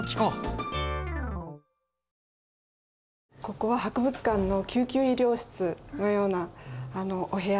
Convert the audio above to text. ここは博物館の救急医療室のようなお部屋です。